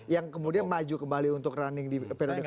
yang kemudian maju kembali untuk running di periode kedua